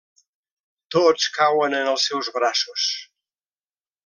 Tots cauen en els seus braços.